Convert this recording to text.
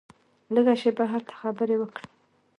لږه شېبه هلته خبرې وکړې.